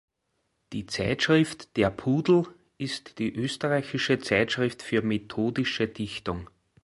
Die Zeitschrift "Der Pudel" ist die österreichische Zeitschrift für methodische Dichtung.